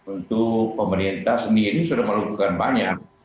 untuk pemerintah sendiri sudah melakukan banyak